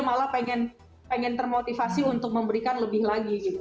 malah pengen termotivasi untuk memberikan lebih lagi gitu